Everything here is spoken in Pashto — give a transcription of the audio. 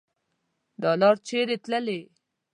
دا لار چیري تللي